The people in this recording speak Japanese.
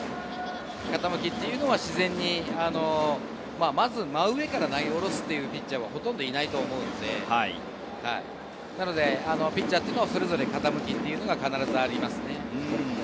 傾きは自然にまず真上から投げ下ろすピッチャーはほとんどいないと思うので、ピッチャーはそれぞれ傾きが必ずありますね。